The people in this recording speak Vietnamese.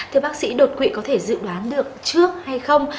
thưa bác sĩ đột quỵ có thể dự đoán được trước hay không